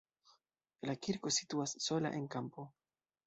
La kirko situas sola en kampo.